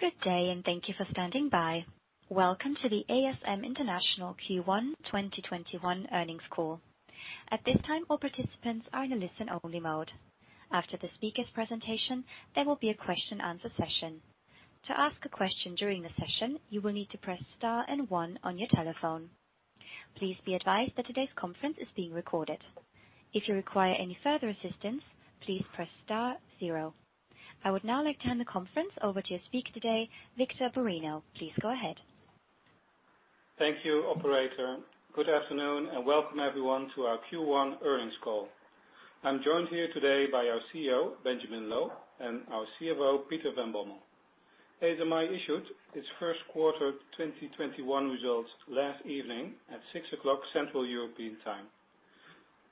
Good day, and thank you for standing by. Welcome to the ASM International Q1 2021 earnings call. At this time, all participants are in a listen-only mode. After the speakers' presentation, there will be a question and answer session. To ask a question during the session, you will need to press star one on your telephone. Please be advised that today's conference is being recorded. If you require any further assistance, please press star zero. I would now like to hand the conference over to your speaker today, Victor Bareño. Please go ahead. Thank you, operator. Good afternoon, and welcome everyone to our Q1 earnings call. I'm joined here today by our CEO, Benjamin Loh, and our CFO, Peter van Bommel. ASMI issued its first quarter 2021 results last evening at 6:00 PM Central European time.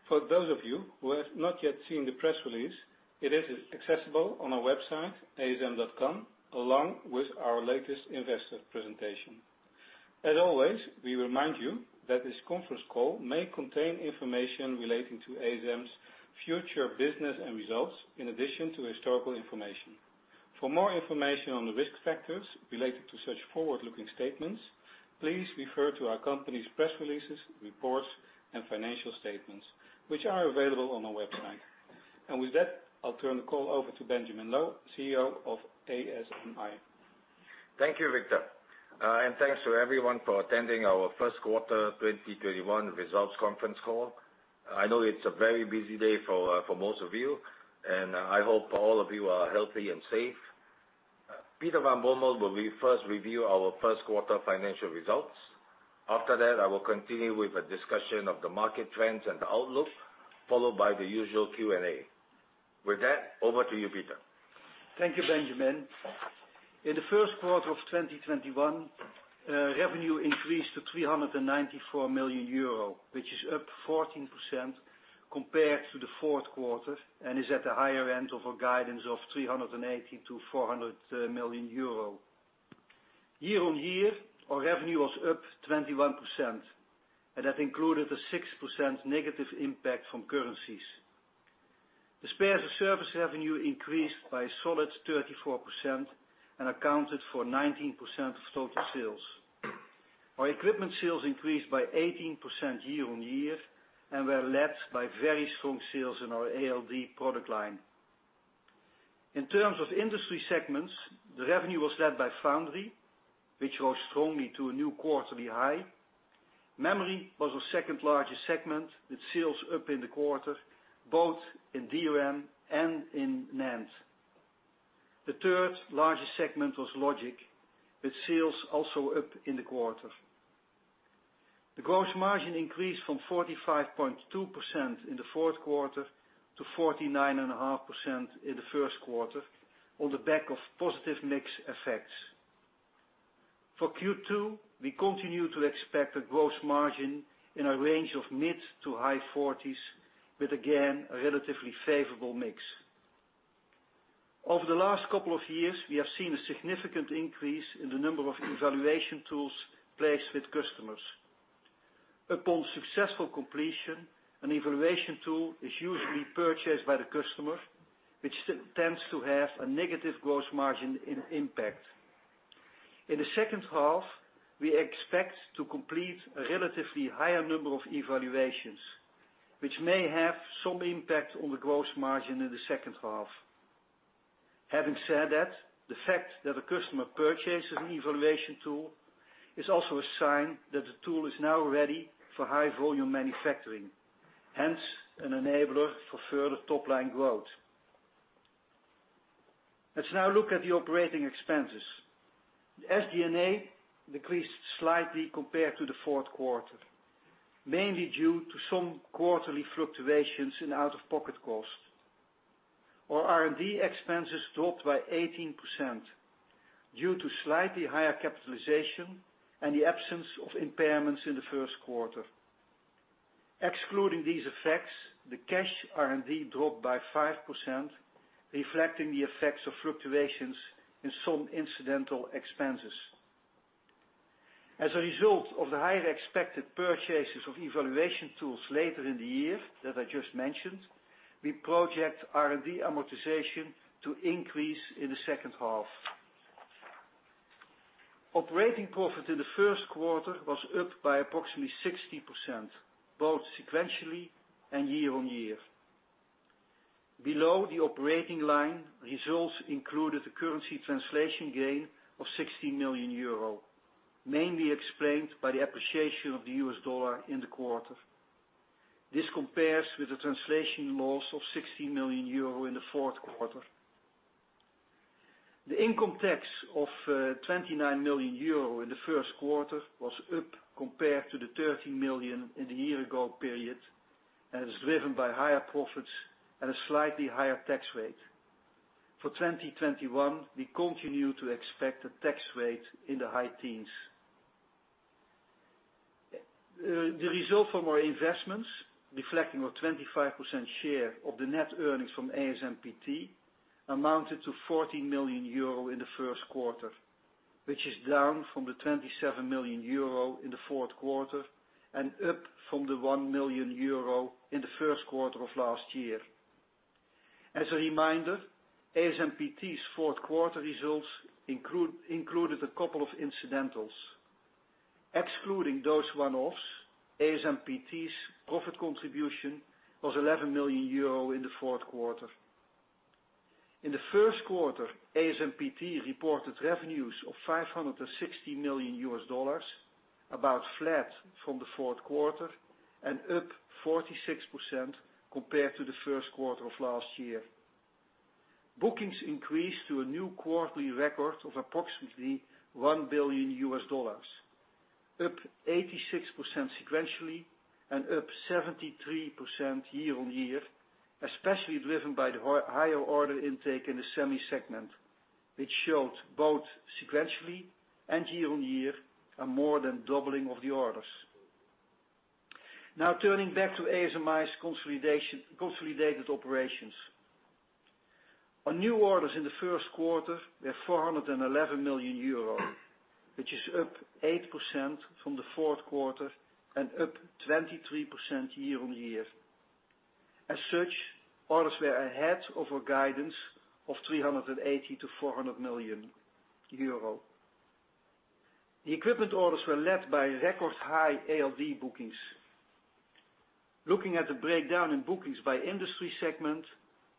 For those of you who have not yet seen the press release, it is accessible on our website, asm.com, along with our latest investor presentation. As always, we remind you that this conference call may contain information relating to ASM's future business and results, in addition to historical information. For more information on the risk factors related to such forward-looking statements, please refer to our company's press releases, reports, and financial statements, which are available on our website. With that, I'll turn the call over to Benjamin Loh, CEO of ASMI. Thank you, Victor. Thanks to everyone for attending our first quarter 2021 results conference call. I know it's a very busy day for most of you, and I hope all of you are healthy and safe. Peter van Bommel will first review our first quarter financial results. After that, I will continue with a discussion of the market trends and outlook, followed by the usual Q&A. With that, over to you, Peter. Thank you, Benjamin. In the first quarter of 2021, revenue increased to 394 million euro, which is up 14% compared to the fourth quarter and is at the higher end of our guidance of 380 million-400 million euro. Year-on-year, our revenue was up 21%, and that included a 6% negative impact from currencies. The spares and service revenue increased by a solid 34% and accounted for 19% of total sales. Our equipment sales increased by 18% year-on-year, and were led by very strong sales in our ALD product line. In terms of industry segments, the revenue was led by Foundry, which rose strongly to a new quarterly high. Memory was our second-largest segment, with sales up in the quarter, both in DRAM and in NAND. The third-largest segment was Logic, with sales also up in the quarter. The gross margin increased from 45.2% in the fourth quarter to 49.5% in the first quarter, on the back of positive mix effects. For Q2, we continue to expect a gross margin in a range of mid to high-40s with, again, a relatively favorable mix. Over the last couple of years, we have seen a significant increase in the number of evaluation tools placed with customers. Upon successful completion, an evaluation tool is usually purchased by the customer, which tends to have a negative gross margin impact. In the second half, we expect to complete a relatively higher number of evaluations, which may have some impact on the gross margin in the second half. Having said that, the fact that a customer purchases an evaluation tool is also a sign that the tool is now ready for high-volume manufacturing, hence an enabler for further top-line growth. Let's now look at the operating expenses. The SG&A decreased slightly compared to the fourth quarter, mainly due to some quarterly fluctuations in out-of-pocket costs. Our R&D expenses dropped by 18% due to slightly higher capitalization and the absence of impairments in the first quarter. Excluding these effects, the cash R&D dropped by 5%, reflecting the effects of fluctuations in some incidental expenses. As a result of the higher expected purchases of evaluation tools later in the year that I just mentioned, we project R&D amortization to increase in the second half. Operating profit in the first quarter was up by approximately 60%, both sequentially and year-on-year. Below the operating line, results included a currency translation gain of 60 million euro, mainly explained by the appreciation of the U.S. dollar in the quarter. This compares with the translation loss of 60 million euro in the fourth quarter. The income tax of 29 million euro in the first quarter was up compared to the 30 million in the year-ago period, is driven by higher profits and a slightly higher tax rate. For 2021, we continue to expect a tax rate in the high teens. The result from our investments, reflecting our 25% share of the net earnings from ASMPT, amounted to 40 million euro in the first quarter. Which is down from the 27 million euro in the fourth quarter and up from the 1 million euro in the first quarter of last year. As a reminder, ASMPT's fourth quarter results included a couple of incidentals. Excluding those one-offs, ASMPT's profit contribution was 11 million euro in the fourth quarter. In the first quarter, ASMPT reported revenues of $560 million, about flat from the fourth quarter and up 46% compared to the first quarter of last year. Bookings increased to a new quarterly record of approximately EUR 1 billion, up 86% sequentially and up 73% year-on-year, especially driven by the higher order intake in the semi segment, which showed both sequentially and year-on-year, a more than doubling of the orders. Turning back to ASMI's consolidated operations. New orders in the first quarter, we have 411 million euro, which is up 8% from the fourth quarter and up 23% year-on-year. Orders were ahead of our guidance of 380 million-400 million euro. The equipment orders were led by record high ALD bookings. Looking at the breakdown in bookings by industry segment,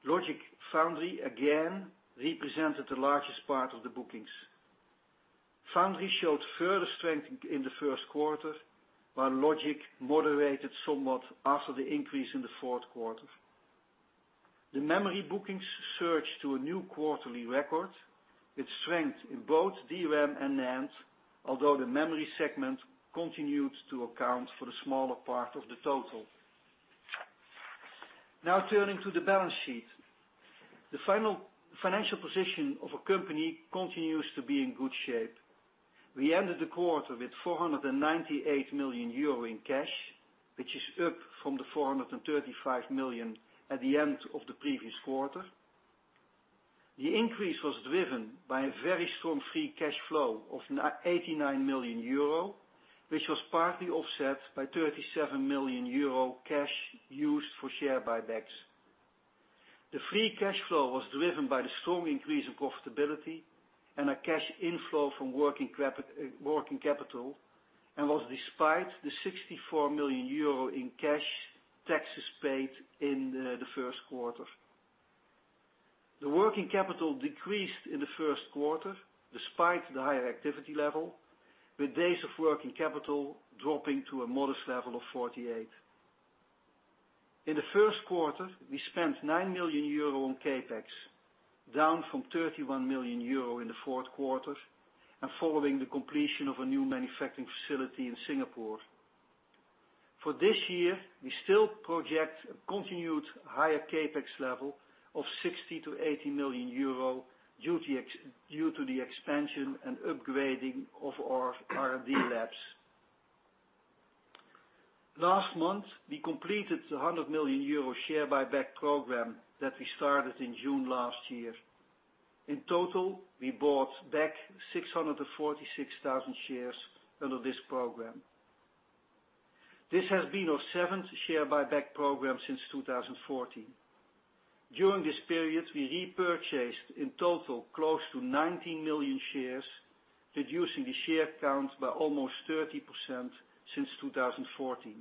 Logic Foundry again represented the largest part of the bookings. Foundry showed further strength in the first quarter, while Logic moderated somewhat after the increase in the fourth quarter. The memory bookings surged to a new quarterly record with strength in both DRAM and NAND, although the memory segment continued to account for the smaller part of the total. Turning to the balance sheet. The financial position of a company continues to be in good shape. We ended the quarter with 498 million euro in cash, which is up from the 435 million at the end of the previous quarter. The increase was driven by a very strong free cash flow of 89 million euro, which was partly offset by 37 million euro cash used for share buybacks. The free cash flow was driven by the strong increase in profitability and a cash inflow from working capital, and was despite the 64 million euro in cash taxes paid in the first quarter. The working capital decreased in the first quarter despite the higher activity level, with days of working capital dropping to a modest level of 48. In the first quarter, we spent 9 million euro on CapEx, down from 31 million euro in the fourth quarter, and following the completion of a new manufacturing facility in Singapore. For this year, we still project a continued higher CapEx level of 60 million-80 million euro due to the expansion and upgrading of our R&D labs. Last month, we completed the 100 million euro share buyback program that we started in June last year. In total, we bought back 646,000 shares under this program. This has been our seventh share buyback program since 2014. During this period, we repurchased in total close to 90 million shares, reducing the share count by almost 30% since 2014.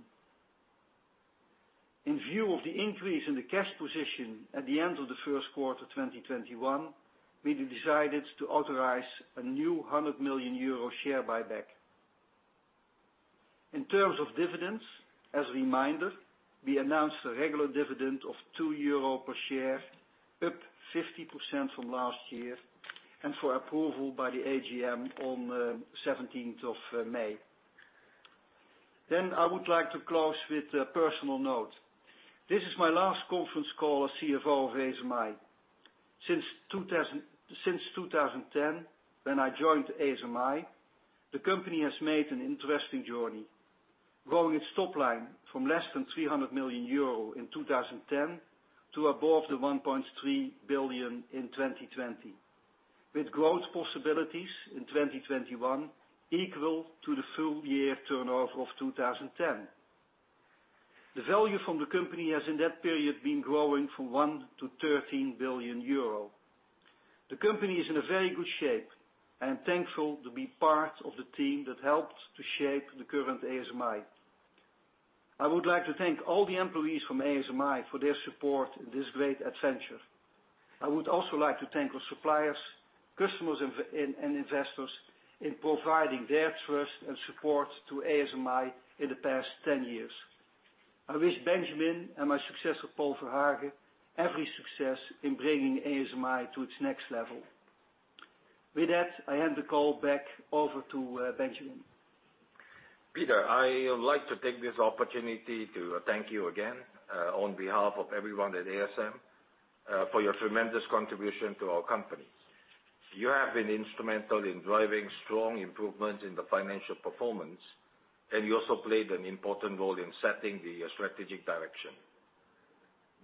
In view of the increase in the cash position at the end of the first quarter 2021, we decided to authorize a new 100 million euro share buyback. In terms of dividends, as a reminder, we announced a regular dividend of 2 euro per share, up 50% from last year, and for approval by the AGM on 17th of May. I would like to close with a personal note. This is my last conference call as CFO of ASMI. Since 2010, when I joined ASMI, the company has made an interesting journey, growing its top line from less than 300 million euro in 2010 to above 1.3 billion in 2020, with growth possibilities in 2021 equal to the full year turnover of 2010. The value from the company has in that period, been growing from 1 billion-13 billion euro. The company is in a very good shape, and I'm thankful to be part of the team that helped to shape the current ASMI. I would like to thank all the employees from ASMI for their support in this great adventure. I would also like to thank our suppliers, customers, and investors in providing their trust and support to ASMI in the past 10 years. I wish Benjamin and my successor, Paul Verhagen, every success in bringing ASMI to its next level. With that, I hand the call back over to Benjamin. Peter, I would like to take this opportunity to thank you again on behalf of everyone at ASM, for your tremendous contribution to our company. You have been instrumental in driving strong improvement in the financial performance, and you also played an important role in setting the strategic direction.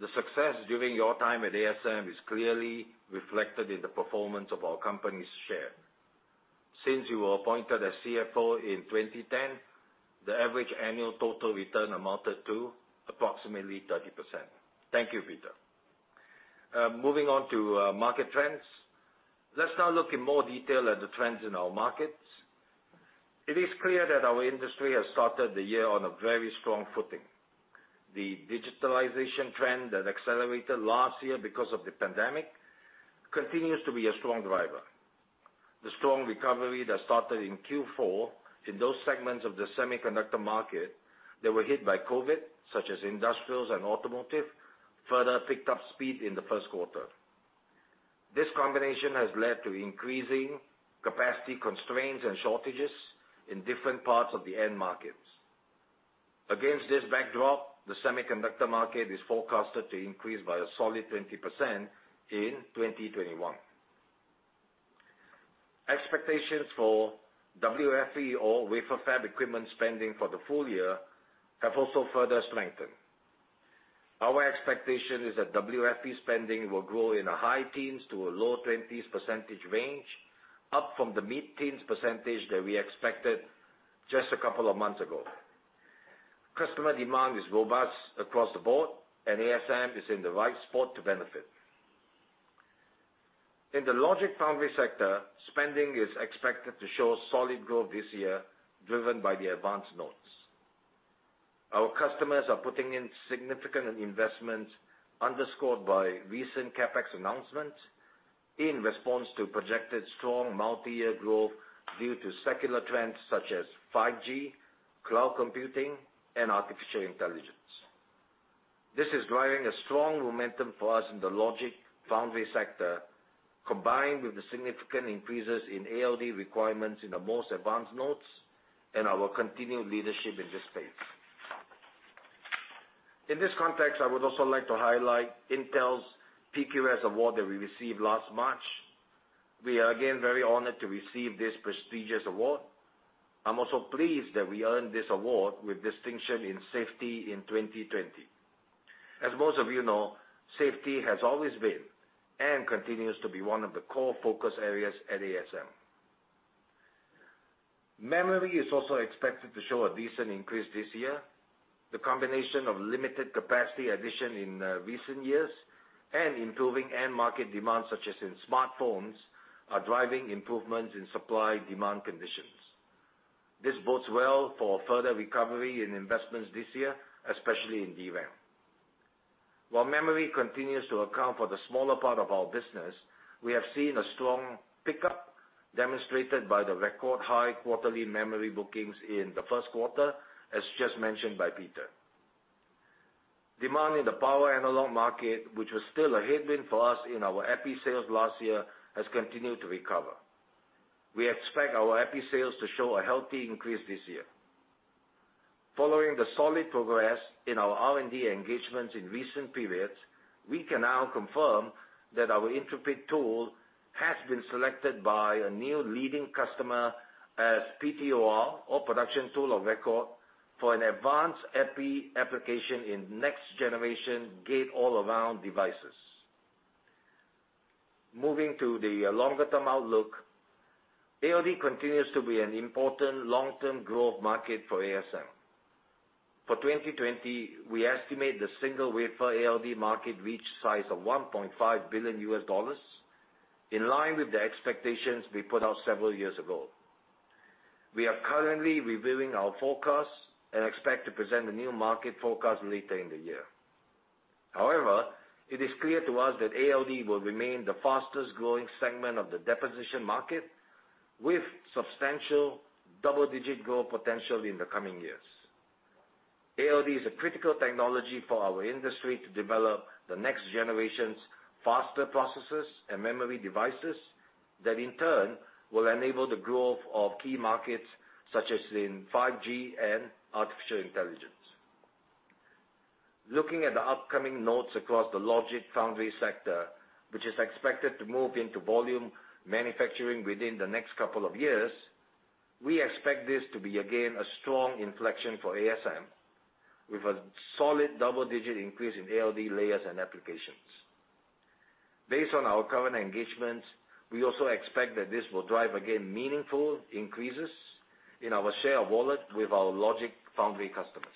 The success during your time at ASM is clearly reflected in the performance of our company's share. Since you were appointed as CFO in 2010, the average annual total return amounted to approximately 30%. Thank you, Peter. Moving on to market trends. Let's now look in more detail at the trends in our markets. It is clear that our industry has started the year on a very strong footing. The digitalization trend that accelerated last year because of the pandemic, continues to be a strong driver. The strong recovery that started in Q4 in those segments of the semiconductor market that were hit by COVID, such as industrials and automotive, further picked up speed in the first quarter. This combination has led to increasing capacity constraints and shortages in different parts of the end markets. Against this backdrop, the semiconductor market is forecasted to increase by a solid 20% in 2021. Expectations for WFE or wafer fab equipment spending for the full year have also further strengthened. Our expectation is that WFE spending will grow in the high teens to a low-20s percentage range, up from the mid teens percentage that we expected just a couple of months ago. Customer demand is robust across the board, and ASM is in the right spot to benefit. In the Logic Foundry sector, spending is expected to show solid growth this year, driven by the advanced nodes. Our customers are putting in significant investments underscored by recent CapEx announcements in response to projected strong multi-year growth due to secular trends such as 5G, cloud computing, and artificial intelligence. This is driving a strong momentum for us in the Logic Foundry sector, combined with the significant increases in ALD requirements in the most advanced nodes and our continued leadership in this space. In this context, I would also like to highlight Intel's PQS award that we received last March. We are again very honored to receive this prestigious award. I'm also pleased that we earned this award with distinction in safety in 2020. As most of you know, safety has always been, and continues to be one of the core focus areas at ASM. Memory is also expected to show a decent increase this year. The combination of limited capacity addition in recent years and improving end market demands such as in smartphones, are driving improvements in supply-demand conditions. This bodes well for further recovery in investments this year, especially in DRAM. While memory continues to account for the smaller part of our business, we have seen a strong pickup demonstrated by the record high quarterly memory bookings in the first quarter, as just mentioned by Peter. Demand in the power analog market, which was still a headwind for us in our EPI sales last year, has continued to recover. We expect our EPI sales to show a healthy increase this year. Following the solid progress in our R&D engagements in recent periods, we can now confirm that our Intrepid tool has been selected by a new leading customer as PTOR or production tool of record for an advanced EPI application in next generation Gate-All-Around devices. Moving to the longer-term outlook. ALD continues to be an important long-term growth market for ASM. For 2020, we estimate the single-wafer ALD market reach size of $1.5 billion, in line with the expectations we put out several years ago. We are currently reviewing our forecast and expect to present a new market forecast later in the year. It is clear to us that ALD will remain the fastest-growing segment of the deposition market, with substantial double-digit growth potential in the coming years. ALD is a critical technology for our industry to develop the next generation's faster processes and memory devices that in turn will enable the growth of key markets such as in 5G and artificial intelligence. Looking at the upcoming nodes across the Logic Foundry sector, which is expected to move into volume manufacturing within the next couple of years, we expect this to be again, a strong inflection for ASM with a solid double-digit increase in ALD layers and applications. Based on our current engagements, we also expect that this will drive again meaningful increases in our Share of Wallet with our Logic Foundry customers.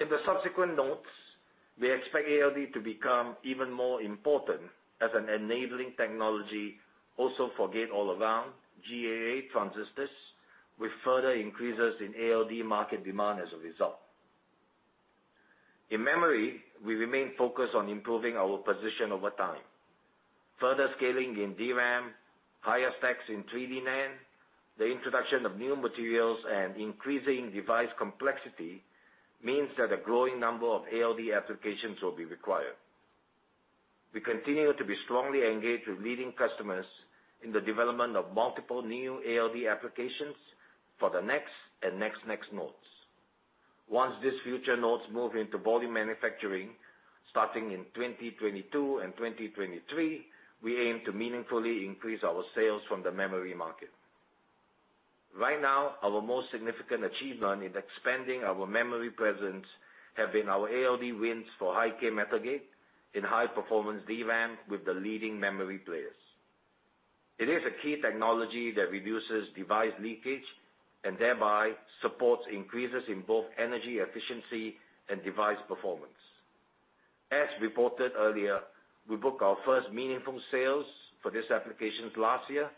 In the subsequent nodes, we expect ALD to become even more important as an enabling technology also for Gate-All-Around, GAA transistors, with further increases in ALD market demand as a result. In memory, we remain focused on improving our position over time. Further scaling in DRAM, higher stacks in 3D NAND, the introduction of new materials, and increasing device complexity means that a growing number of ALD applications will be required. We continue to be strongly engaged with leading customers in the development of multiple new ALD applications for the next and next nodes. Once these future nodes move into volume manufacturing starting in 2022 and 2023, we aim to meaningfully increase our sales from the memory market. Right now, our most significant achievement in expanding our memory presence have been our ALD wins for high-k metal gate in high-performance DRAM with the leading memory players. It is a key technology that reduces device leakage and thereby supports increases in both energy efficiency and device performance. As reported earlier, we booked our first meaningful sales for these applications last year,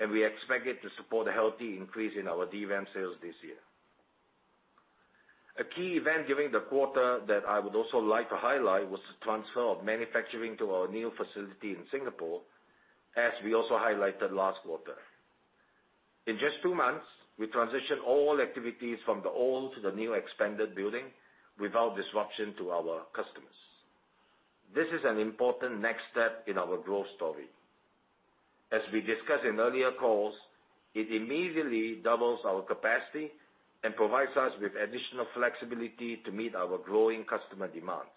and we expect it to support a healthy increase in our DRAM sales this year. A key event during the quarter that I would also like to highlight was the transfer of manufacturing to our new facility in Singapore, as we also highlighted last quarter. In just two months, we transitioned all activities from the old to the new expanded building without disruption to our customers. This is an important next step in our growth story. As we discussed in earlier calls, it immediately doubles our capacity and provides us with additional flexibility to meet our growing customer demands.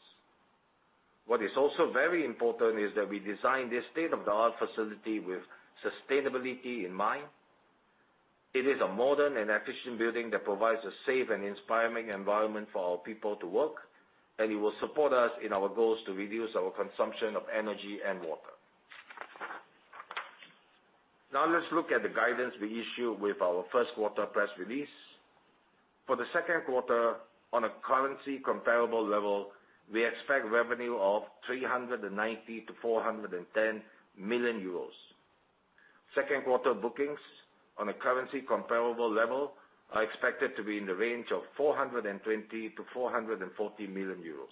What is also very important is that we designed this state-of-the-art facility with sustainability in mind. It is a modern and efficient building that provides a safe and inspiring environment for our people to work, and it will support us in our goals to reduce our consumption of energy and water. Now let's look at the guidance we issued with our first quarter press release. For the second quarter, on a currency comparable level, we expect revenue of 390 million-410 million euros. Second quarter bookings on a currency comparable level are expected to be in the range of 420 million-440 million euros.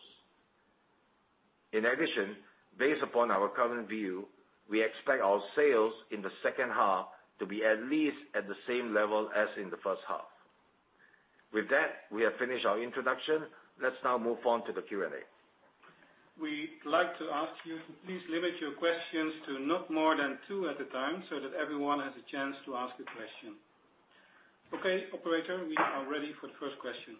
In addition, based upon our current view, we expect our sales in the second half to be at least at the same level as in the first half. With that, we have finished our introduction. Let's now move on to the Q&A. We like to ask you to please limit your questions to not more than two at a time so that everyone has a chance to ask a question. Okay, operator, we are ready for the first question.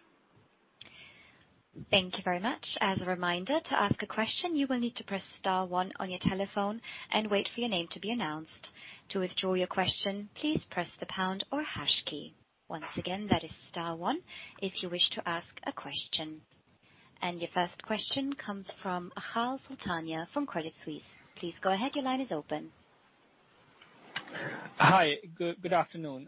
Thank you very much. As a reminder, to ask a question, you will need to press star one on your telephone, and wait for your name to be announced. To withdraw your question, please press the pound or hash key. Once again, that is star one if you wish to ask a question. Your first question comes from Achal Sultania from Credit Suisse. Please go ahead. Your line is open. Hi. Good afternoon.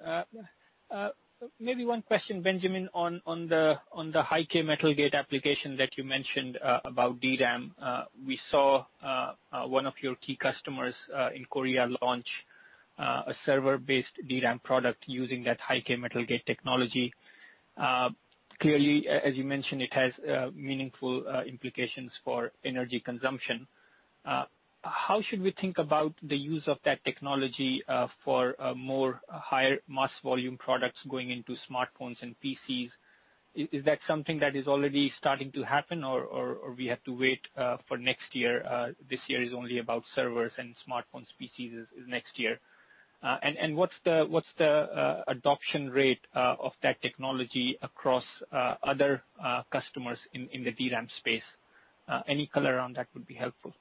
Maybe one question, Benjamin, on the high-k metal gate application that you mentioned about DRAM. We saw one of your key customers in Korea launch a server-based DRAM product using that high-k metal gate technology. Clearly, as you mentioned, it has meaningful implications for energy consumption. How should we think about the use of that technology for more higher mass volume products going into smartphones and PCs? Is that something that is already starting to happen or we have to wait for next year? This year is only about servers and smartphones, PCs is next year. What's the adoption rate of that technology across other customers in the DRAM space? Any color around that would be helpful.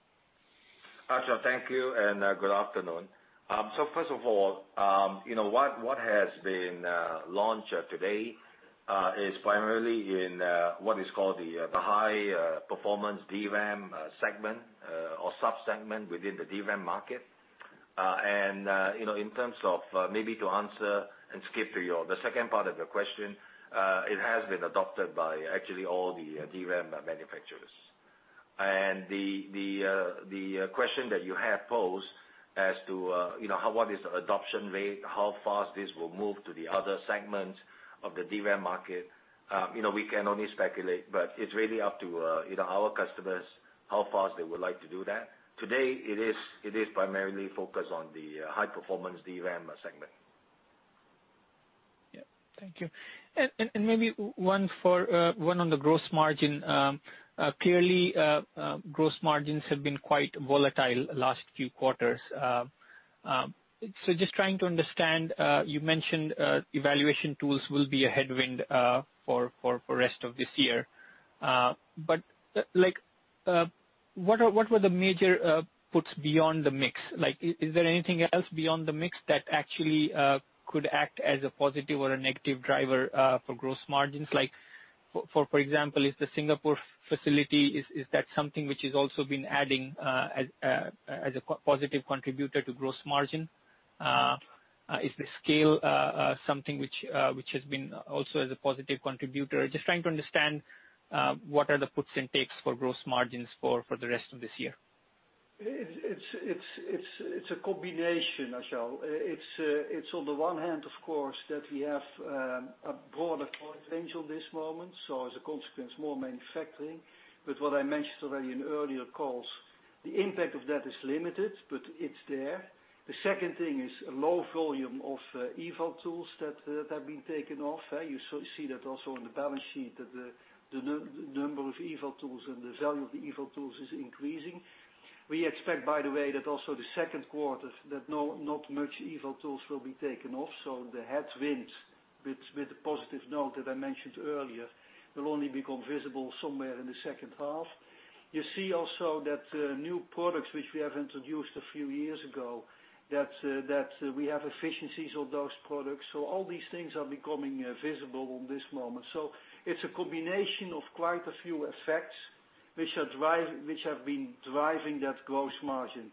Achal, thank you, and good afternoon. First of all, what has been launched today is primarily in what is called the high-performance DRAM segment or sub-segment within the DRAM market. In terms of maybe to answer and skip to the second part of your question, it has been adopted by actually all the DRAM manufacturers. The question that you have posed as to what is the adoption rate, how fast this will move to the other segments of the DRAM market, we can only speculate, but it's really up to our customers, how fast they would like to do that. Today, it is primarily focused on the high-performance DRAM segment. Yeah. Thank you. Maybe one on the gross margin. Clearly, gross margins have been quite volatile last few quarters. Just trying to understand, you mentioned evaluation tools will be a headwind for rest of this year. What were the major puts beyond the mix? Is there anything else beyond the mix that actually could act as a positive or a negative driver for gross margins? Like for example, is the Singapore facility, is that something which has also been adding as a positive contributor to gross margin? Is the scale something which has been also as a positive contributor? Just trying to understand what are the puts and takes for gross margins for the rest of this year. It's a combination, Achal. It's on the one hand, of course, that we have a broader client range at this moment, so as a consequence, more manufacturing. What I mentioned already in earlier calls, the impact of that is limited, but it's there. The second thing is a low volume of eval tools that have been taken off. You see that also on the balance sheet, that the number of eval tools and the value of the eval tools is increasing. We expect, by the way, that also the second quarter, that not much eval tools will be taken off. The headwinds with the positive note that I mentioned earlier, will only become visible somewhere in the second half. You see also that new products, which we have introduced a few years ago, that we have efficiencies of those products. All these things are becoming visible on this moment. It's a combination of quite a few effects, which have been driving that gross margin.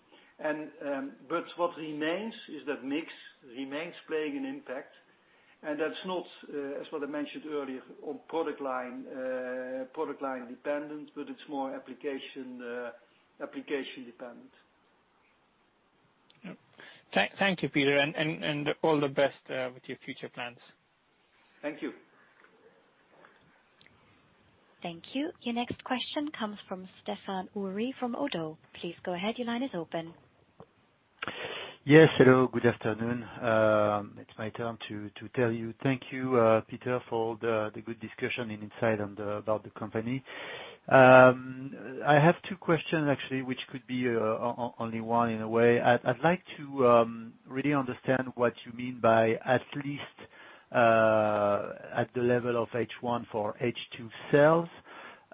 What remains is that mix remains playing an impact, and that's not, as what I mentioned earlier, on product line dependence, but it's more application dependent. Thank you, Peter, and all the best with your future plans. Thank you. Thank you. Your next question comes from Stephane Houri from ODDO. Please go ahead. Your line is open. Yes. Hello. Good afternoon. It's my turn to tell you thank you, Peter, for the good discussion and insight about the company. I have two questions actually, which could be only one in a way. I'd like to really understand what you mean by at least at the level of H1 for H2 sales,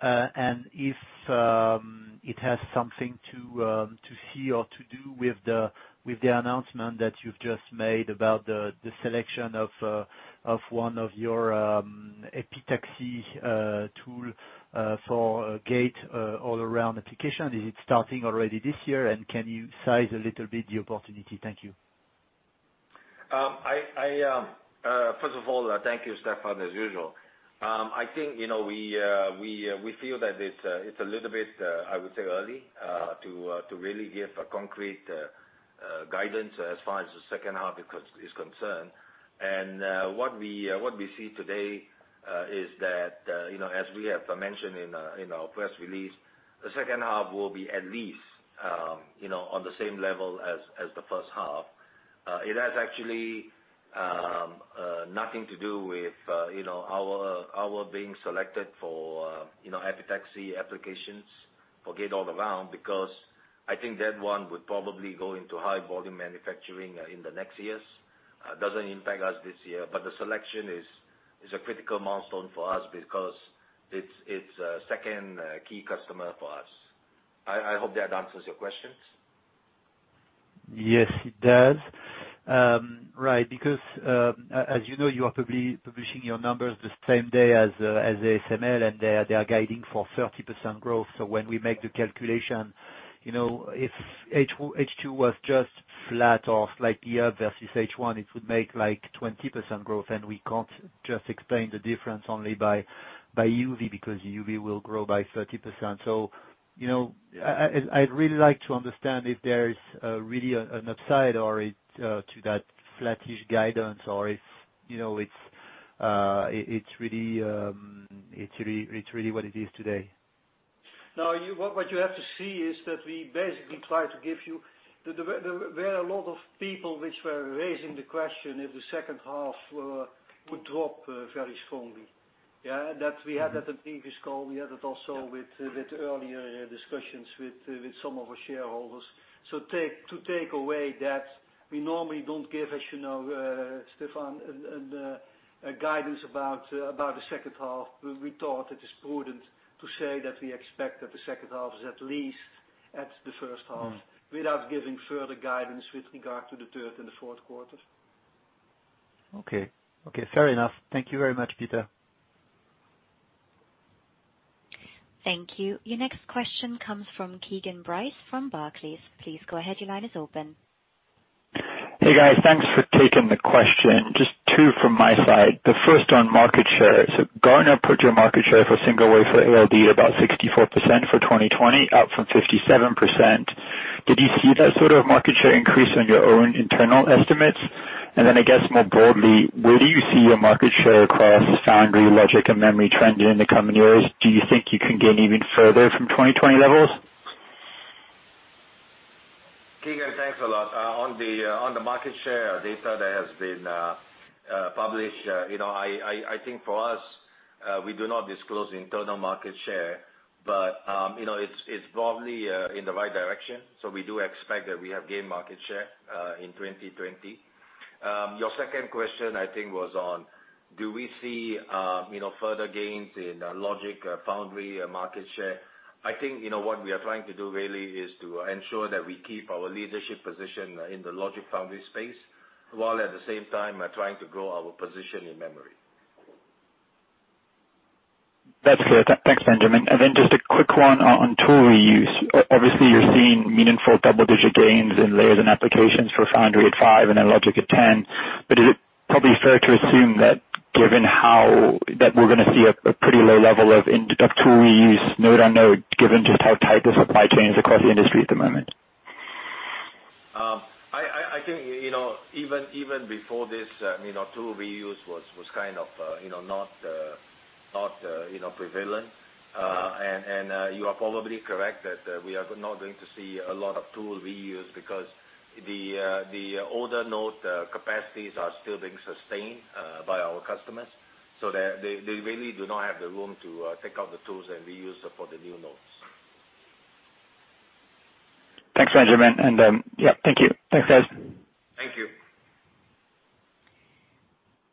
and if it has something to see or to do with the announcement that you've just made about the selection of one of your epitaxy tool for Gate-All-Around application. Is it starting already this year, and can you size a little bit the opportunity? Thank you. First of all, thank you, Stephane, as usual. I think, we feel that it's a little bit, I would say, early to really give a concrete guidance as far as the second half is concerned. What we see today is that, as we have mentioned in our press release, the second half will be at least on the same level as the first half. It has actually nothing to do with our being selected for epitaxy applications for Gate-All-Around, because I think that one would probably go into high-volume manufacturing in the next years. Doesn't impact us this year. The selection is a critical milestone for us because it's a second key customer for us. I hope that answers your questions. Yes, it does. Because, as you know, you are publishing your numbers the same day as ASML, and they are guiding for 30% growth. When we make the calculation, if H2 was just flat or slightly up versus H1, it would make 20% growth, and we can't just explain the difference only by EUV, because EUV will grow by 30%. I'd really like to understand if there is really an upside to that flattish guidance or if it's really what it is today. No. What you have to see is that we basically try to give you There were a lot of people which were raising the question if the second half would drop very strongly. That we had at the previous call, we had it also with earlier discussions with some of our shareholders. To take away that, we normally don't give, as you know, Stephane, a guidance about the second half. We thought it is prudent to say that we expect that the second half is at least at the first half, without giving further guidance with regard to the third and the fourth quarter. Okay. Fair enough. Thank you very much, Peter. Thank you. Your next question comes from Keagan Bryce from Barclays. Please go ahead. Your line is open. Hey, guys. Thanks for taking the question. Just two from my side. The first on market share. Gartner put your market share for single-wafer ALD about 64% for 2020, up from 57%. Did you see that sort of market share increase on your own internal estimates? Then I guess more broadly, where do you see your market share across Foundry, Logic, and memory trending in the coming years? Do you think you can gain even further from 2020 levels? Keagan, thanks a lot. On the market share data that has been published, I think for us, we do not disclose internal market share, it's broadly in the right direction. We do expect that we have gained market share in 2020. Your second question, I think was on, do we see further gains in Logic Foundry market share? I think, what we are trying to do really is to ensure that we keep our leadership position in the Logic Foundry space, while at the same time trying to grow our position in memory. That's clear. Thanks, Benjamin. Just a quick one on tool reuse. Obviously, you're seeing meaningful double-digit gains in layers and applications for Foundry at five and then Logic at 10. Is it probably fair to assume that we're going to see a pretty low level of tool reuse node on node, given just how tight the supply chain is across the industry at the moment? I think even before this, tool reuse was kind of not prevalent. You are probably correct that we are not going to see a lot of tool reuse because the older node capacities are still being sustained by our customers. They really do not have the room to take out the tools and reuse for the new nodes. Thanks, Benjamin. Yeah, thank you. Thanks, guys. Thank you.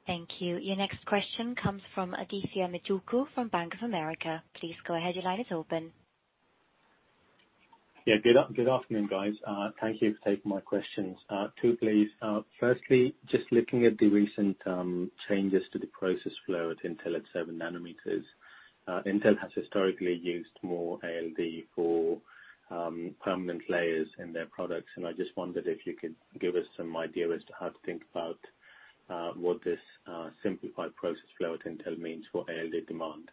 Thank you. Your next question comes from Adithya Metuku from Bank of America. Please go ahead. Your line is open. Yeah. Good afternoon, guys. Thank you for taking my questions. Two, please. Firstly, just looking at the recent changes to the process flow at Intel at seven nanometers. Intel has historically used more ALD for permanent layers in their products. I just wondered if you could give us some idea as to how to think about what this simplified process flow at Intel means for ALD demand.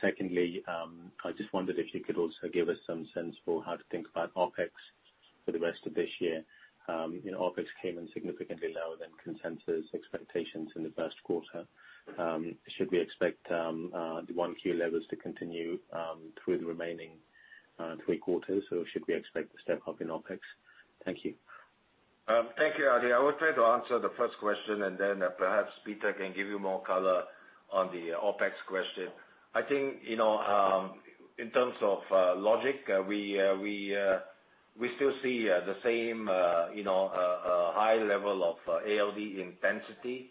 Secondly, I just wondered if you could also give us some sense for how to think about OpEx for the rest of this year. OpEx came in significantly lower than consensus expectations in the first quarter. Should we expect the 1Q levels to continue through the remaining three quarters, or should we expect a step-up in OpEx? Thank you. Thank you, Adithya. I will try to answer the first question, and then perhaps Peter can give you more color on the OpEx question. I think, in terms of Logic, we still see the same high level of ALD intensity,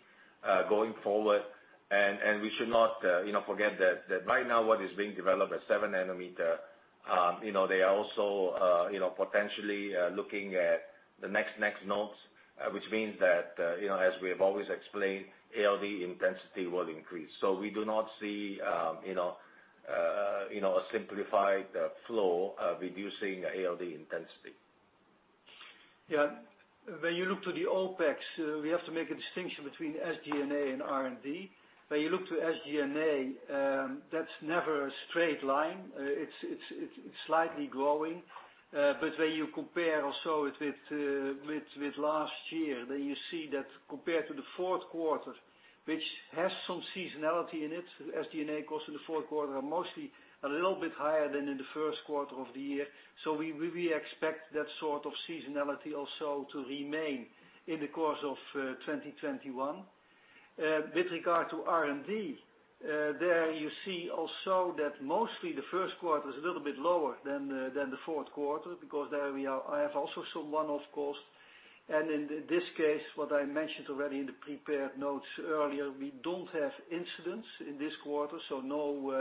going forward. We should not forget that right now what is being developed at seven nanometer, they are also potentially looking at the next nodes, which means that, as we have always explained, ALD intensity will increase. We do not see a simplified flow reducing ALD intensity. When you look to the OpEx, we have to make a distinction between SG&A and R&D. When you look to SG&A, that's never a straight line. It's slightly growing. When you compare also with last year, then you see that compared to the fourth quarter, which has some seasonality in it, SG&A costs in the fourth quarter are mostly a little bit higher than in the first quarter of the year. We expect that sort of seasonality also to remain in the course of 2021. With regard to R&D, there you see also that mostly the first quarter is a little bit lower than the fourth quarter because there we have also some one-off costs. In this case, what I mentioned already in the prepared notes earlier, we don't have incidents in this quarter, so no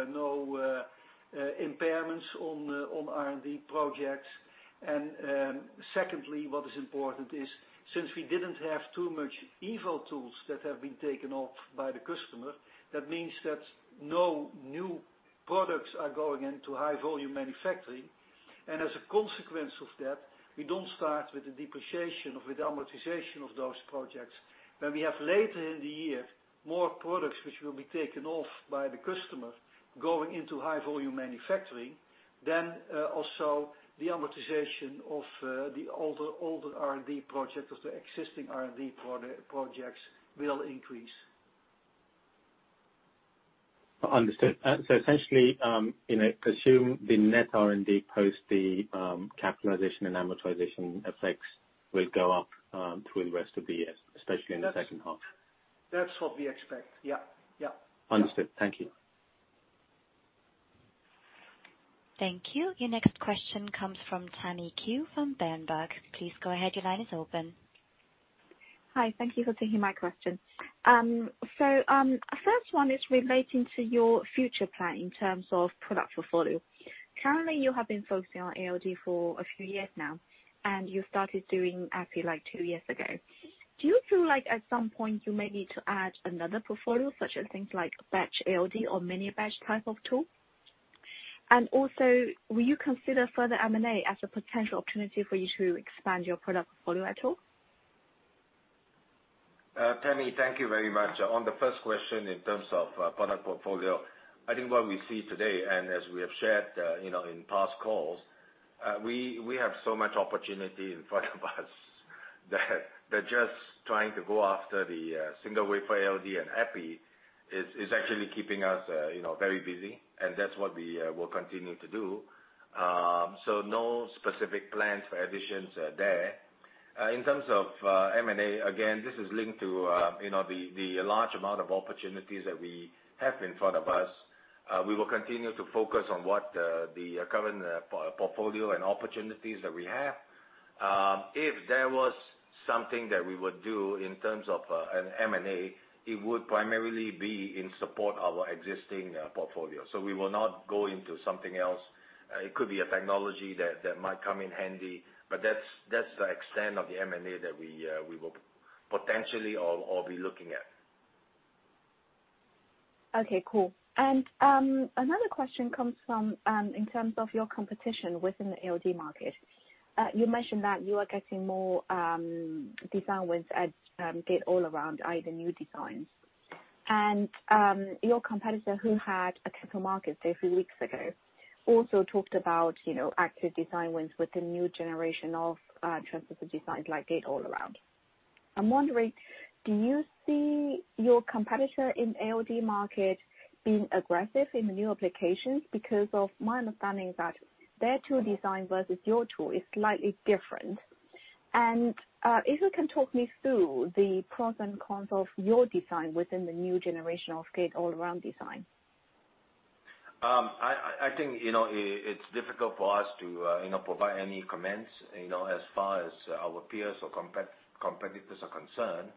impairments on R&D projects. Secondly, what is important is, since we didn't have too much eval tools that have been taken off by the customer, that means that no new products are going into high-volume manufacturing. As a consequence of that, we don't start with the depreciation or with amortization of those projects. When we have later in the year, more products which will be taken off by the customer going into high-volume manufacturing, then also the amortization of the older R&D projects, of the existing R&D projects will increase. Understood. Essentially, assume the net R&D post the capitalization and amortization effects will go up, through the rest of the year, especially in the second half. That's what we expect. Yeah. Understood. Thank you. Thank you. Your next question comes from Tammy Qiu from Berenberg. Please go ahead. Your line is open. Hi. Thank you for taking my question. First one is relating to your future plan in terms of product portfolio. Currently, you have been focusing on ALD for a few years now, and you started doing EPI two years ago. Do you feel like at some point you may need to add another portfolio, such as things like batch ALD or mini-batch type of tool? Will you consider further M&A as a potential opportunity for you to expand your product portfolio at all? Tammy, thank you very much. On the first question, in terms of product portfolio, I think what we see today, and as we have shared in past calls, we have so much opportunity in front of us that just trying to go after the single-wafer ALD and EPI is actually keeping us very busy, and that's what we will continue to do. No specific plans for additions there. In terms of M&A, again, this is linked to the large amount of opportunities that we have in front of us. We will continue to focus on what the current portfolio and opportunities that we have. If there was something that we would do in terms of an M&A, it would primarily be in support of our existing portfolio. We will not go into something else. It could be a technology that might come in handy, but that's the extent of the M&A that we will potentially or will be looking at. Okay, cool. Another question comes from, in terms of your competition within the ALD market. You mentioned that you are getting more design wins at Gate-All-Around, i.e., the new designs. Your competitor who had a capital market day a few weeks ago also talked about active design wins with the new generation of transistor designs like Gate-All-Around. I'm wondering, do you see your competitor in ALD market being aggressive in the new applications? Because of my understanding that their tool designs versus your tool is slightly different. If you can talk me through the pros and cons of your design within the new generation of Gate-All-Around design. I think it's difficult for us to provide any comments as far as our peers or competitors are concerned.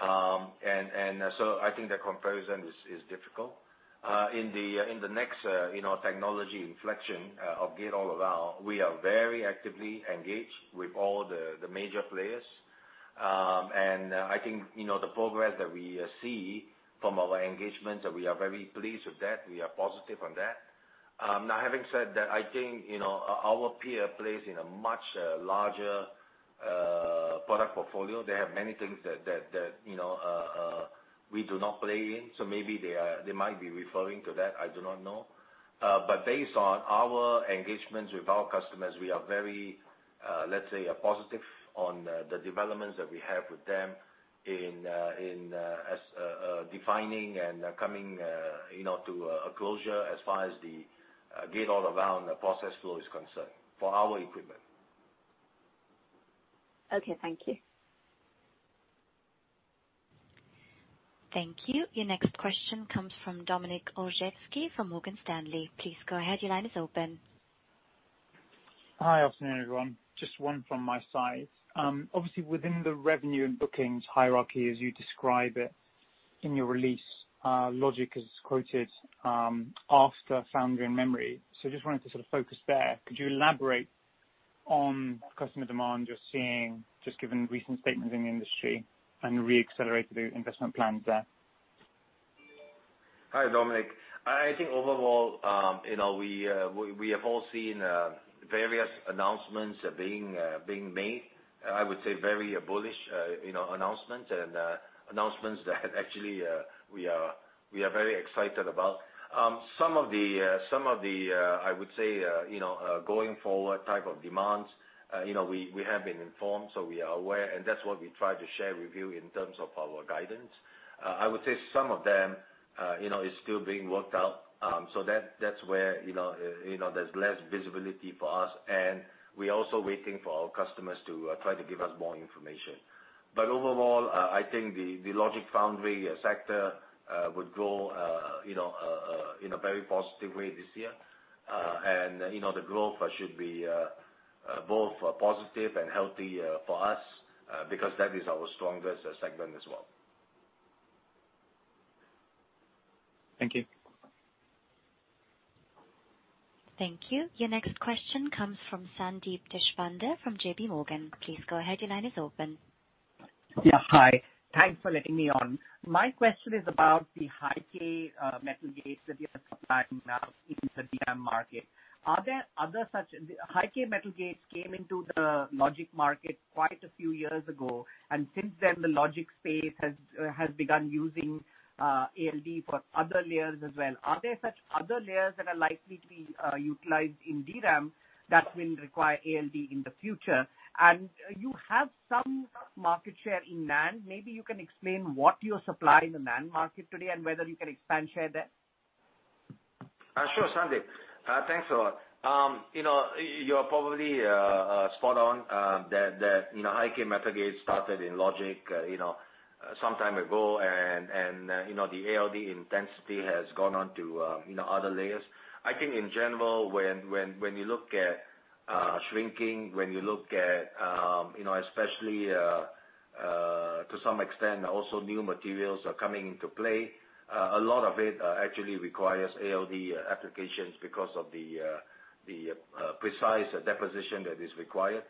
I think the comparison is difficult. In the next technology inflection of Gate-All-Around, we are very actively engaged with all the major players. I think the progress that we see from our engagements, that we are very pleased with that, we are positive on that. Now, having said that, I think our peer plays in a much larger product portfolio. They have many things that we do not play in. Maybe they might be referring to that, I do not know. Based on our engagements with our customers, we are very, let's say, positive on the developments that we have with them in as defining and coming to a closure as far as the Gate-All-Around process flow is concerned for our equipment. Okay. Thank you. Thank you. Your next question comes from Dominik Olszewski from Morgan Stanley. Please go ahead. Your line is open. Hi. Afternoon, everyone. Just one from my side. Obviously, within the revenue and bookings hierarchy, as you describe it in your release, Logic is quoted after Foundry memory. Just wanted to sort of focus there. Could you elaborate on customer demand you're seeing, just given recent statements in the industry and re-accelerated investment plans there? Hi, Dominik. I think overall we have all seen various announcements being made. I would say very bullish announcements and announcements that actually we are very excited about. Some of the, I would say, going forward type of demands, we have been informed, so we are aware, and that's what we try to share with you in terms of our guidance. I would say some of them is still being worked out. That's where there's less visibility for us, and we're also waiting for our customers to try to give us more information. Overall, I think the logic foundry sector would grow in a very positive way this year. The growth should be both positive and healthy for us because that is our strongest segment as well. Thank you. Thank you. Your next question comes from Sandeep Deshpande from JPMorgan. Please go ahead. Your line is open. Yeah. Hi. Thanks for letting me on. My question is about the high-k metal gates that you are supplying now in the DRAM market. High-k metal gates came into the Logic market quite a few years ago, since then, the Logic space has begun using ALD for other layers as well. Are there such other layers that are likely to be utilized in DRAM that will require ALD in the future? You have some market share in NAND. Maybe you can explain what you supply in the NAND market today, and whether you can expand share there. Sure, Sandeep. Thanks a lot. You're probably spot on that high-k metal gate started in Logic some time ago, and the ALD intensity has gone on to other layers. I think, in general, when you look at shrinking, when you look at, especially to some extent also new materials are coming into play, a lot of it actually requires ALD applications because of the precise deposition that is required.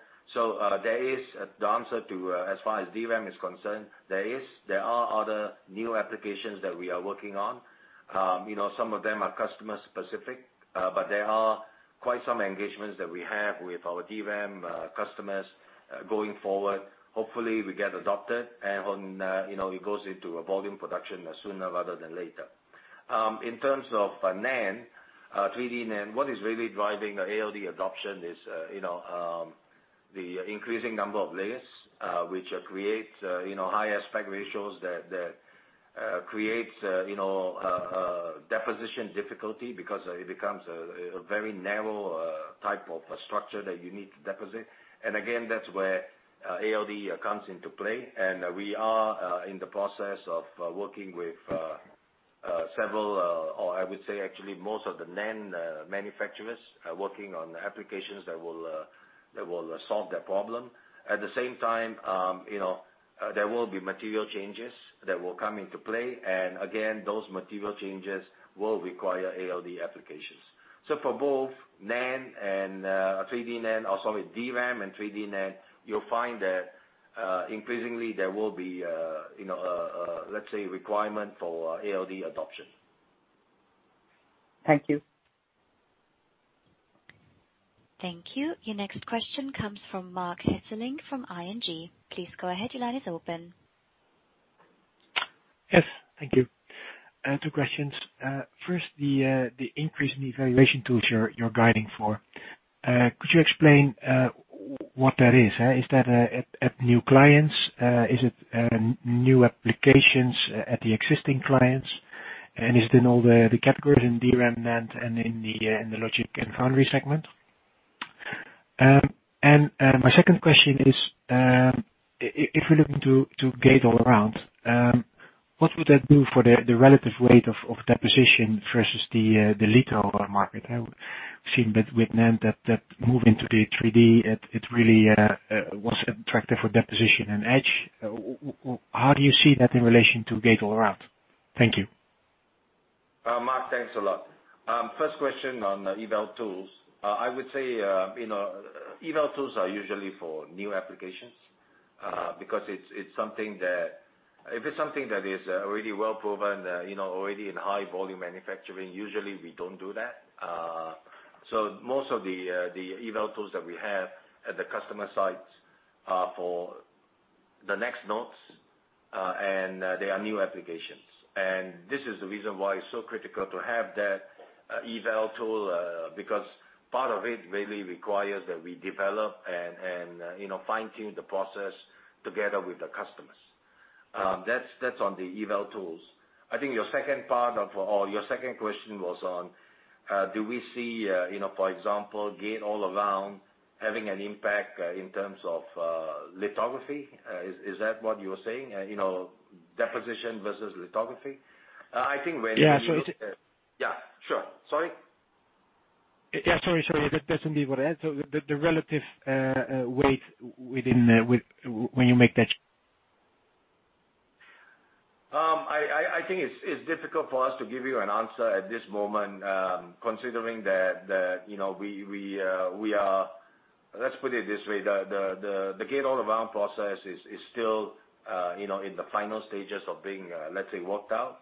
There is the answer to as far as DRAM is concerned, there are other new applications that we are working on. Some of them are customer specific, there are quite some engagements that we have with our DRAM customers going forward. Hopefully, we get adopted, and it goes into volume production sooner rather than later. In terms of 3D NAND, what is really driving ALD adoption is the increasing number of layers, which create higher aspect ratios that creates deposition difficulty because it becomes a very narrow type of structure that you need to deposit. Again, that's where ALD comes into play, and we are in the process of working with several, or I would say actually most of the NAND manufacturers are working on applications that will solve that problem. At the same time, there will be material changes that will come into play. Again, those material changes will require ALD applications. For both DRAM and 3D NAND, you'll find that increasingly there will be, let's say, requirement for ALD adoption. Thank you. Thank you. Your next question comes from Marc Hesselink from ING. Please go ahead. Your line is open. Yes. Thank you. Two questions. First, the increase in evaluation tools you're guiding for. Could you explain what that is? Is that at new clients? Is it new applications at the existing clients? Is it in all the categories in DRAM, NAND, and in the Logic and Foundry segment? My second question is, if we're looking to Gate-All-Around, what would that do for the relative weight of deposition versus the litho market? I've seen that with NAND, that move into the 3D, it really was attractive for deposition and etch. How do you see that in relation to Gate-All-Around? Thank you. Marc, thanks a lot. First question on eval tools. I would say eval tools are usually for new applications. If it's something that is already well-proven, already in high-volume manufacturing, usually we don't do that. Most of the eval tools that we have at the customer sites are for the next nodes, and they are new applications. This is the reason why it's so critical to have that eval tool, because part of it really requires that we develop and fine-tune the process together with the customers. That's on the eval tools. I think your second question was on, do we see, for example, Gate-All-Around having an impact in terms of lithography? Is that what you were saying? Deposition versus lithography? Yeah. Yeah, sure. Sorry? Yeah, sorry. That's indeed what I asked. I think it's difficult for us to give you an answer at this moment, considering that Let's put it this way, the Gate-All-Around process is still in the final stages of being, let's say, worked out.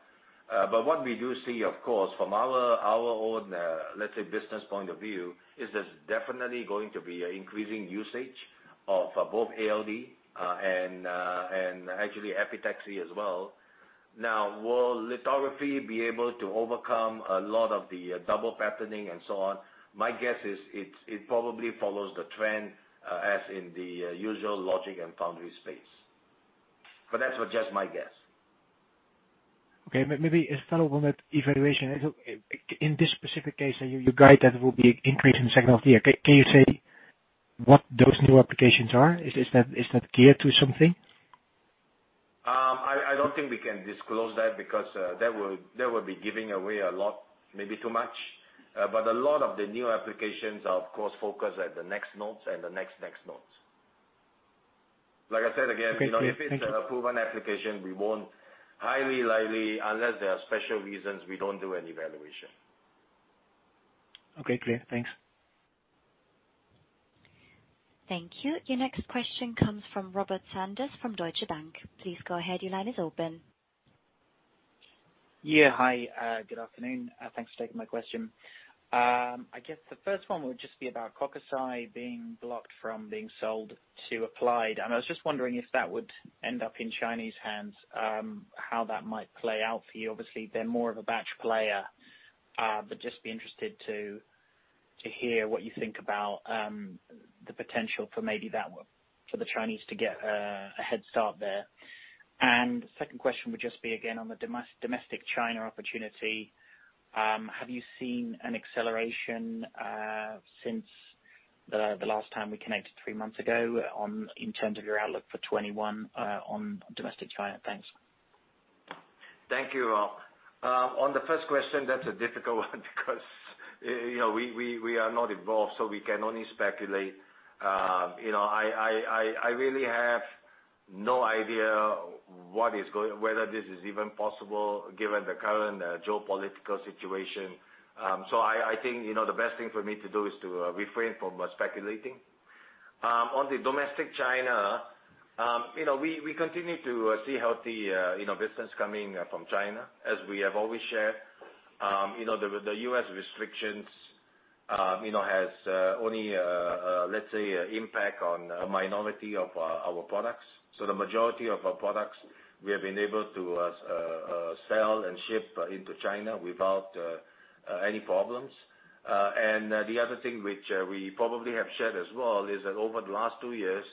What we do see, of course, from our own, let's say, business point of view, is there's definitely going to be an increasing usage of both ALD and actually epitaxy as well. Will lithography be able to overcome a lot of the double patterning and so on? My guess is it probably follows the trend as in the usual Logic and Foundry space. That's just my guess. Okay, maybe a follow on that evaluation. In this specific case, you guide that it will be increasing the second half of the year. Can you say what those new applications are? Is that geared to something? I don't think we can disclose that because that would be giving away a lot, maybe too much. A lot of the new applications are, of course, focused at the next nodes and the next nodes. Okay, thank you. If it's a proven application, highly likely, unless there are special reasons, we don't do any evaluation. Okay, clear. Thanks. Thank you. Your next question comes from Robert Sanders from Deutsche Bank. Please go ahead. Your line is open. Yeah. Hi, good afternoon. Thanks for taking my question. I guess the first one would just be about Kokusai being blocked from being sold to Applied. I was just wondering if that would end up in Chinese hands, how that might play out for you. Obviously, they're more of a batch player. Just be interested to hear what you think about the potential for the Chinese to get a head start there. Second question would just be, again, on the domestic China opportunity. Have you seen an acceleration since the last time we connected three months ago in terms of your outlook for 2021 on domestic China? Thanks. Thank you, Rob. On the first question, that's a difficult one because we are not involved. We can only speculate. I really have no idea whether this is even possible given the current geopolitical situation. I think the best thing for me to do is to refrain from speculating. On the domestic China, we continue to see healthy business coming from China, as we have always shared. The U.S. restrictions has only, let's say, impact on a minority of our products. The majority of our products, we have been able to sell and ship into China without any problems. The other thing which we probably have shared as well is that over the last two years,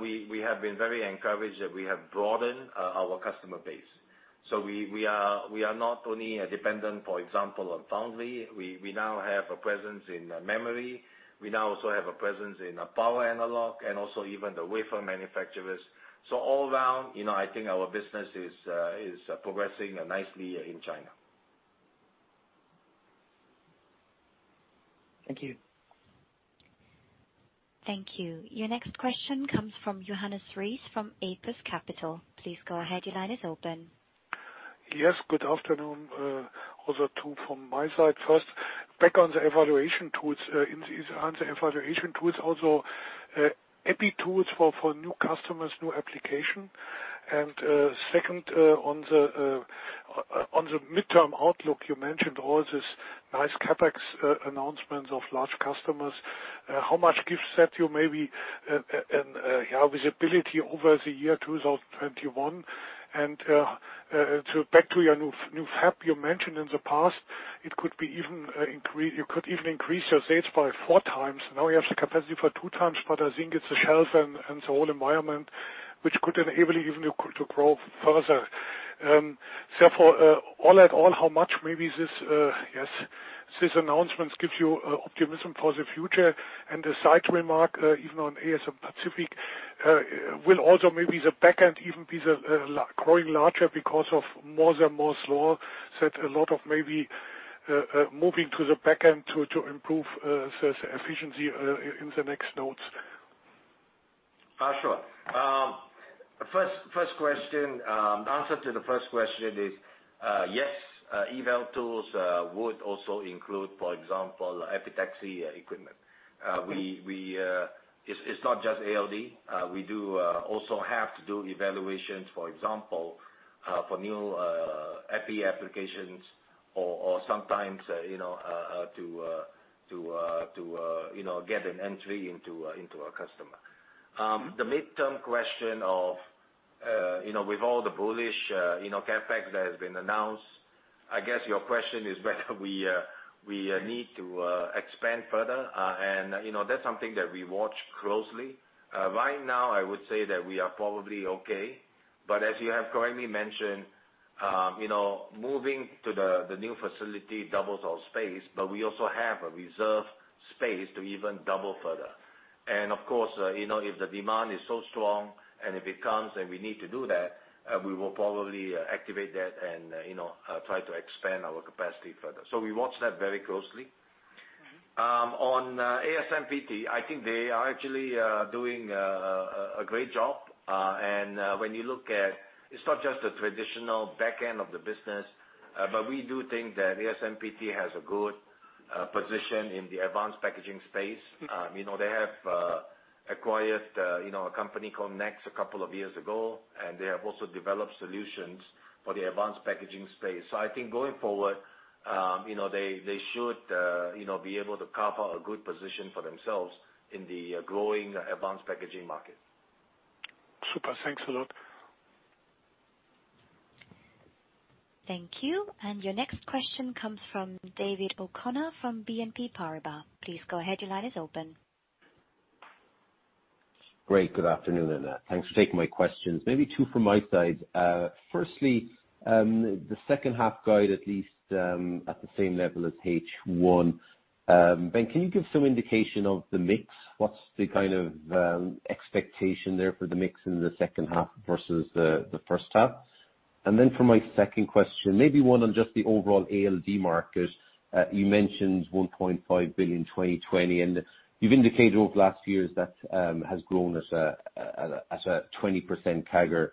we have been very encouraged that we have broadened our customer base. We are not only dependent, for example, on foundry. We now have a presence in memory. We now also have a presence in power analog and also even the wafer manufacturers. All around, I think our business is progressing nicely in China. Thank you. Thank you. Your next question comes from Johannes Ries from Apus Capital. Please go ahead, your line is open. Yes, good afternoon. Also two from my side. First, back on the evaluation tools. In these evaluation tools, also EPI tools for new customers, new application. Second, on the midterm outlook, you mentioned all this nice CapEx announcements of large customers. How much gives that visibility over the year 2021? Back to your new fab you mentioned in the past, you could even increase your sales by four times. Now you have the capacity for two times, but I think it's the shelf and the whole environment which could enable you even to grow further. Therefore, all at all, how much maybe these announcements gives you optimism for the future and the side remark, even on ASM Pacific, will also maybe the back end even be growing larger because of more and more Moore's Law, set a lot of maybe moving to the back end to improve efficiency in the next nodes? Sure. Answer to the first question is, yes, eval tools would also include, for example, epitaxy equipment. It's not just ALD. We do also have to do evaluations, for example, for new EPI applications or sometimes to get an entry into a customer. The midterm question of with all the bullish CapEx that has been announced, I guess your question is whether we need to expand further, and that's something that we watch closely. Right now, I would say that we are probably okay, but as you have correctly mentioned, moving to the new facility doubles our space, but we also have a reserved space to even double further. Of course, if the demand is so strong and if it comes and we need to do that, we will probably activate that and try to expand our capacity further. We watch that very closely. On ASMPT, I think they are actually doing a great job. When you look at, it's not just the traditional back end of the business, but we do think that ASMPT has a good position in the advanced packaging space. They have acquired a company called NEXX a couple of years ago, and they have also developed solutions for the advanced packaging space. I think going forward, they should be able to carve a good position for themselves in the growing advanced packaging market. Super. Thanks a lot. Thank you. Your next question comes from David O'Connor from BNP Paribas. Please go ahead. Your line is open. Great. Good afternoon. Thanks for taking my questions. Maybe two from my side. Firstly, the second half guide, at least at the same level as H1. Ben, can you give some indication of the mix? What's the kind of expectation there for the mix in the second half versus the first half? For my second question, maybe one on just the overall ALD market. You mentioned $1.5 billion 2020, and you've indicated over the last few years that has grown at a 20% CAGR.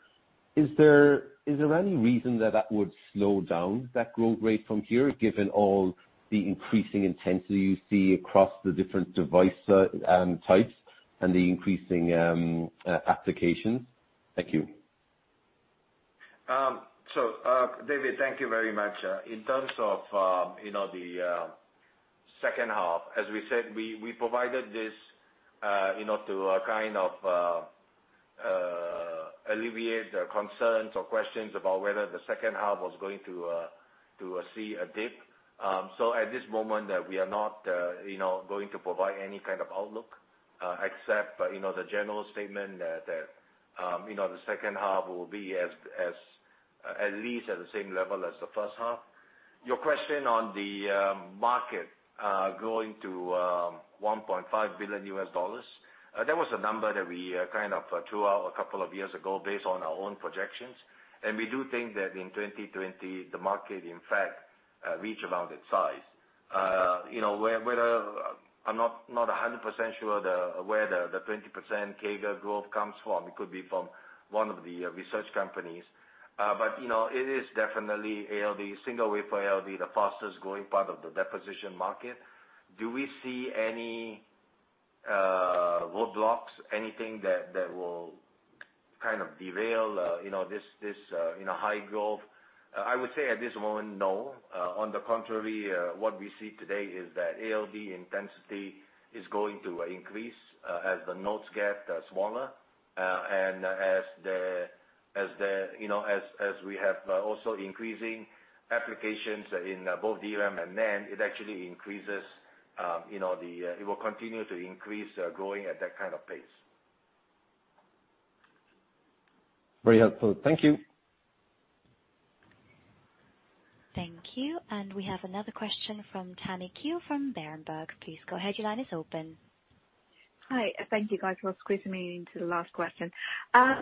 Is there any reason that that would slow down that growth rate from here, given all the increasing intensity you see across the different device types and the increasing applications? Thank you. David, thank you very much. In terms of the second half, as we said, we provided this to kind of alleviate the concerns or questions about whether the second half was going to see a dip. At this moment we are not going to provide any kind of outlook except the general statement that the second half will be at least at the same level as the first half. Your question on the market growing to $1.5 billion. That was a number that we kind of threw out a couple of years ago based on our own projections, and we do think that in 2020, the market, in fact, reach around that size. I am not 100% sure where the 20% CAGR growth comes from. It could be from one of the research companies. It is definitely single-wafer ALD, the fastest growing part of the deposition market. Do we see any roadblocks, anything that will kind of derail this high growth? I would say at this moment, no. On the contrary, what we see today is that ALD intensity is going to increase as the nodes get smaller. As we have also increasing applications in both DRAM and NAND, it will continue to increase growing at that kind of pace. Very helpful. Thank you. Thank you. We have another question from Tammy Qiu from Berenberg. Please go ahead. Your line is open. Hi. Thank you, guys, for squeezing me into the last question. I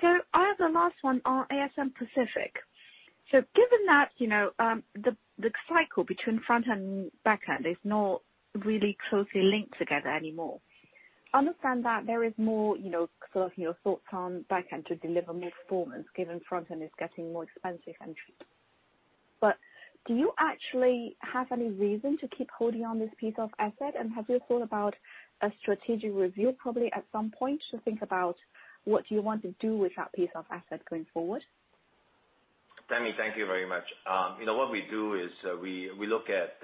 have the last one on ASM Pacific. Given that the cycle between front-end and back end is not really closely linked together anymore, understand that there is more sort of your thoughts on back end to deliver more performance given front end is getting more expensive and tricky. Do you actually have any reason to keep holding on this piece of asset? Have you thought about a strategic review probably at some point to think about what you want to do with that piece of asset going forward? Tammy, thank you very much. What we do is we look at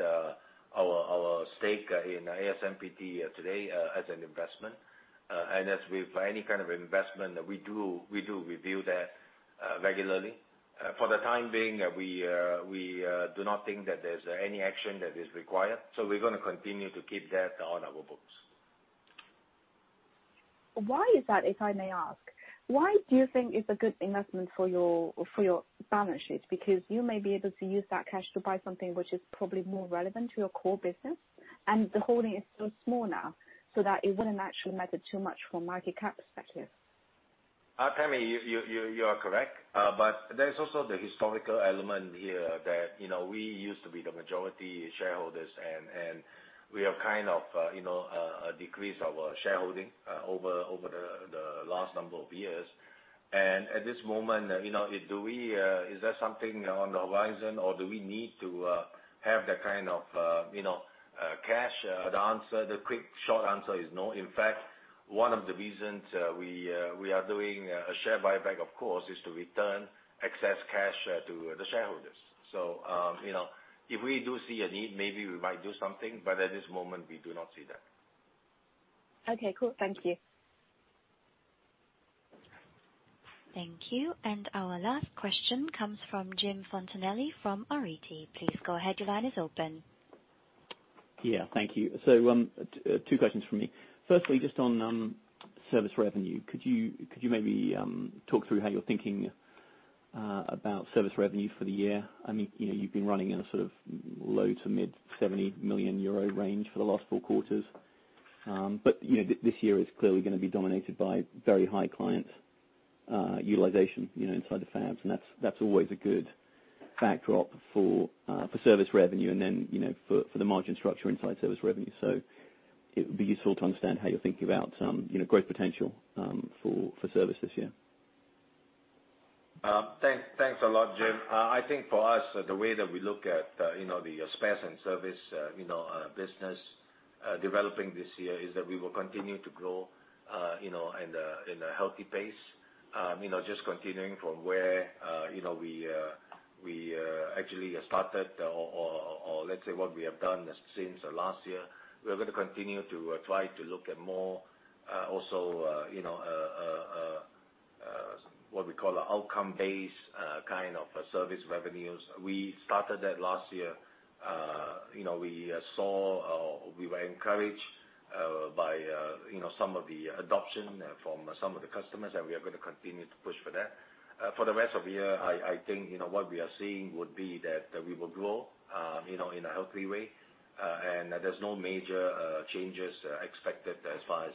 our stake in ASMPT today as an investment. As with any kind of investment, we do review that regularly. For the time being, we do not think that there's any action that is required. We're going to continue to keep that on our books. Why is that, if I may ask? Why do you think it's a good investment for your balance sheet? You may be able to use that cash to buy something which is probably more relevant to your core business, and the holding is still small now, so that it wouldn't actually matter too much from a market cap perspective. Tammy, you are correct. There is also the historical element here that we used to be the majority shareholders, and we have kind of decreased our shareholding over the last number of years. At this moment, is there something on the horizon, or do we need to have that kind of cash? The quick, short answer is no. In fact, one of the reasons we are doing a share buyback, of course, is to return excess cash to the shareholders. If we do see a need, maybe we might do something, but at this moment, we do not see that. Okay, cool. Thank you. Thank you. Our last question comes from Jim Fontanelli from ARETE. Please go ahead, your line is open. Thank you. Two questions from me. Firstly, just on service revenue. Could you maybe talk through how you're thinking about service revenue for the year? You've been running in a sort of low to mid 70 million euro range for the last four quarters. This year is clearly going to be dominated by very high client utilization inside the fabs, and that's always a good backdrop for service revenue and then for the margin structure inside service revenue. It would be useful to understand how you're thinking about growth potential for service this year. Thanks a lot, Jim. I think for us, the way that we look at the spares and service business developing this year is that we will continue to grow in a healthy pace. Just continuing from where we actually started or let's say what we have done since last year. We are going to continue to try to look at more also, what we call outcome-based kind of service revenues. We started that last year. We were encouraged by some of the adoption from some of the customers. We are going to continue to push for that. For the rest of the year, I think what we are seeing would be that we will grow in a healthy way. There's no major changes expected as far as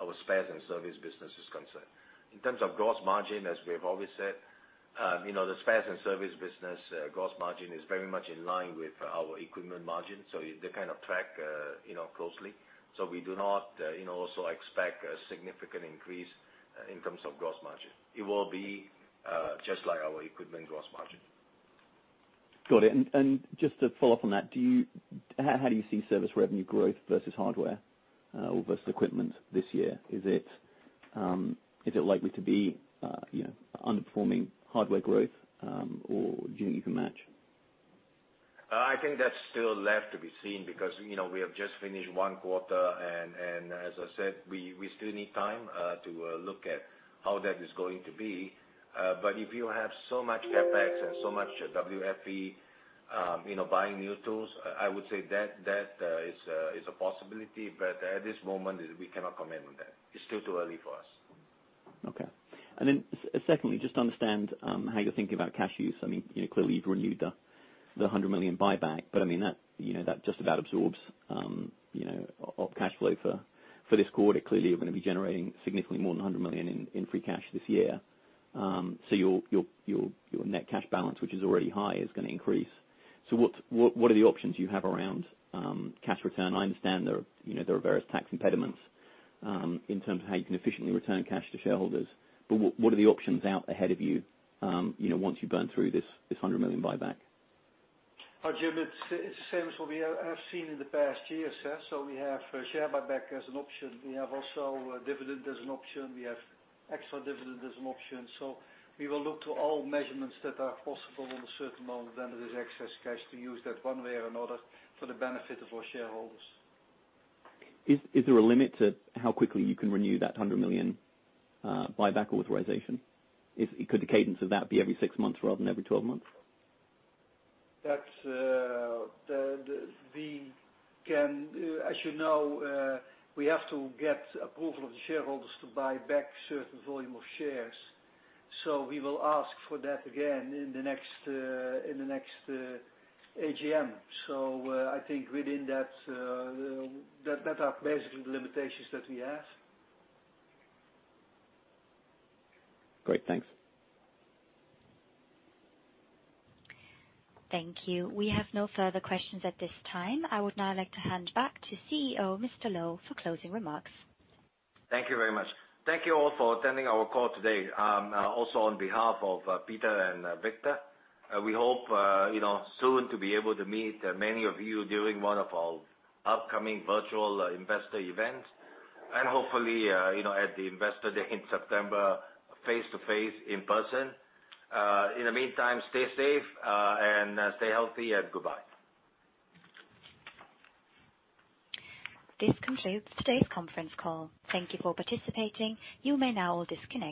our spares and service business is concerned. In terms of gross margin, as we have always said, the spares and service business gross margin is very much in line with our equipment margin, so they kind of track closely. We do not also expect a significant increase in terms of gross margin. It will be just like our equipment gross margin. Got it. Just to follow up on that, how do you see service revenue growth versus hardware or versus equipment this year? Is it likely to be underperforming hardware growth or do you think you can match? I think that's still left to be seen because we have just finished one quarter, and as I said, we still need time to look at how that is going to be. If you have so much CapEx and so much WFE buying new tools, I would say that is a possibility, but at this moment, we cannot comment on that. It's still too early for us. Okay. Secondly, just to understand how you're thinking about cash use. Clearly you've renewed the 100 million buyback, but that just about absorbs cash flow for this quarter. Clearly, you're going to be generating significantly more than 100 million in free cash this year. Your net cash balance, which is already high, is going to increase. What are the options you have around cash return? I understand there are various tax impediments in terms of how you can efficiently return cash to shareholders. What are the options out ahead of you once you burn through this 100 million buyback? Jim, it's the same as what we have seen in the past years. We have share buyback as an option. We have also dividend as an option. We have extra dividend as an option. We will look to all measurements that are possible on a certain amount when there is excess cash to use that one way or another for the benefit of our shareholders. Is there a limit to how quickly you can renew that 100 million buyback authorization? Could the cadence of that be every six months rather than every 12 months? As you know, we have to get approval of the shareholders to buy back a certain volume of shares. We will ask for that again in the next AGM. I think within that are basically the limitations that we have. Great. Thanks. Thank you. We have no further questions at this time. I would now like to hand back to CEO, Mr. Loh, for closing remarks. Thank you very much. Thank you all for attending our call today. Also on behalf of Peter and Victor, we hope soon to be able to meet many of you during one of our upcoming virtual investor events. Hopefully, at the investor day in September, face-to-face in person. In the meantime, stay safe and stay healthy, and goodbye. This concludes today's conference call. Thank you for participating. You may now disconnect.